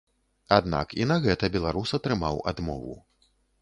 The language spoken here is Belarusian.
Аднак і на гэта беларус атрымаў адмову.